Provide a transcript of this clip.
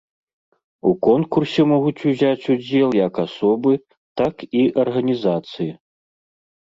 У конкурсе могуць узяць удзел як асобы, так і арганізацыі.